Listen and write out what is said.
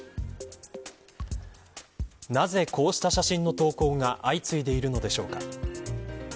なぜこうした写真の投稿が相次いでいるのでしょうか。